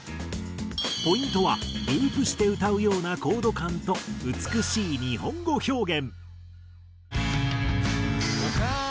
ポイントはループして歌うようなコード感と美しい日本語表現。